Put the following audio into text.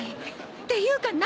っていうか何？